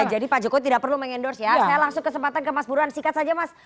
pak jokowi tidak perlu mengendorse ya saya langsung kesempatan ke mas buruan singkat saja mas